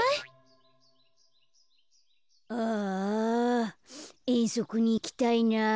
ああえんそくにいきたいな。